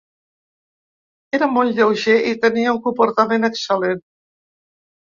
Era molt lleuger i tenia un comportament excel·lent.